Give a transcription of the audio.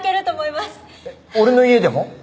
俺の家でも？